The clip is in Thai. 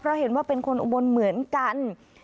เพราะเห็นว่าเป็นคนอุบลเหมือนกัน